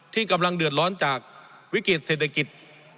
ที่กำลังเดือดร้อนจากวิกฤตเศรษฐกิจ